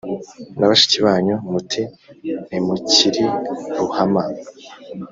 na bashiki banyu, muti «Ntimukiri Ruhama,